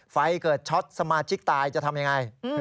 ไฟเกิดช็อตสมาชิกตายจะทำยังไง